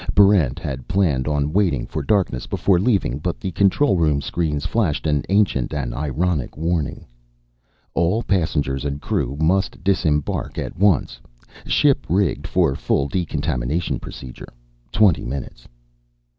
Barrent had planned on waiting for darkness before leaving; but the control room screens flashed an ancient and ironic warning: _All passengers and crew must disembark at once. Ship rigged for full decontamination procedure. Twenty minutes.